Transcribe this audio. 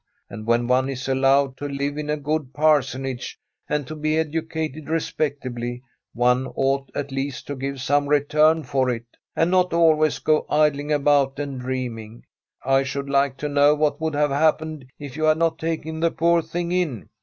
And when one is allowed to live in a good Parsonage, and to be educated respectably, one ought at least to give some return for it, and not always go idling about and dreaming. I should like to know what would have happened if you had not taken the poor thing in.